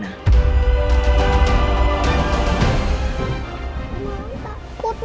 maam takut ma